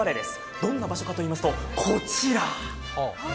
どんな場所かといいますと、こちら！